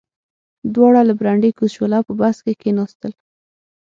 دواړه له برنډې کوز شول او په بس کې کېناستل